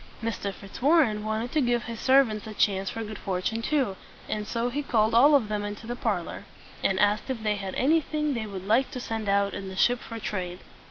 Mr. Fitzwarren wanted to give his servants a chance for good fortune too, and so he called all of them into the parlor, and asked if they had anything they would like to send out in the ship for trade.